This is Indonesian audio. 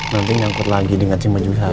nanti nyangkut lagi dengan si maju saya